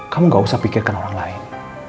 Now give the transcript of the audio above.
kamu gak usah pikirkan orang lain